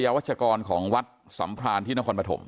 วัยวชกรของวัดสำคารที่นอกคอนปฐม